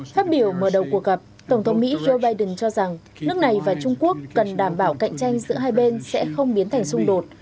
phát biểu mở đầu cuộc gặp tổng thống mỹ joe biden cho rằng nước này và trung quốc cần đảm bảo cạnh tranh giữa hai bên sẽ không biến thành xung đột